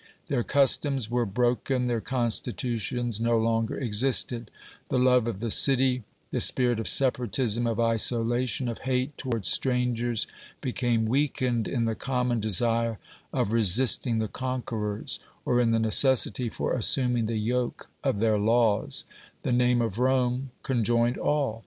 Their customs were 174 OBERMANN broken, their constitutions no longer existed; the love of the city, the spirit of separatism, of isolation, of hate towards strangers, became weakened in the common desire of resisting the conquerors or in the necessity for assuming the yoke of their laws ; the name of Rome conjoined all.